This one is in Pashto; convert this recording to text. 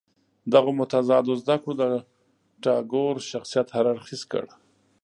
دغو متضادو زده کړو د ټاګور شخصیت هر اړخیز کړ.